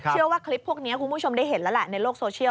เชื่อว่าคลิปพวกนี้คุณผู้ชมได้เห็นแล้วแหละในโลกโซเชียล